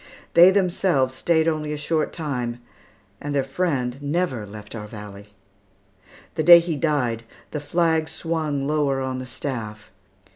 They themselves stayed only a short time, and their friend never left our valley. The day he died, the flag swung lower on the staff.